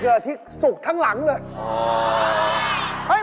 เฮ่ยยังไง